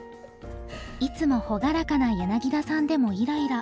いつも朗らかな柳田さんでもイライラ。